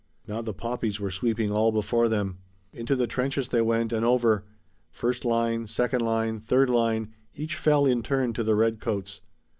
Now the poppies were sweeping all before them. Into the trenches they went and over. First line, second line, third line, each fell in turn to the redcoats.